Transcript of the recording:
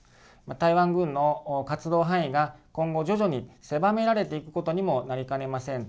台湾軍の活動範囲が今後、徐々に狭められていくことにもなりかねません。